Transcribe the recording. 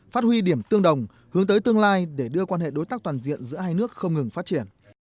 phát huy điểm tương đồng hướng tới tương lai để đưa quan hệ đối tác toàn diện giữa hai nước không ngừng phát triển